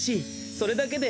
それだけで。